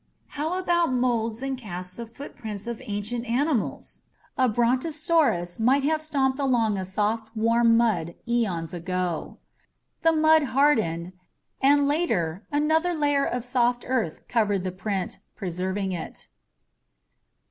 How about molds and casts of footprints of ancient animals? A brontosaurus might have stomped along in soft, warm mud eons ago. The mud hardened and later another layer of soft earth covered the print, preserving it.